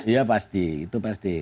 iya pasti itu pasti